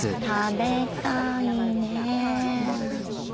食べたいね。